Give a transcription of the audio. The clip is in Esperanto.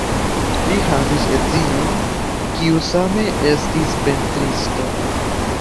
Li havis edzinon, kiu same estis pentristo.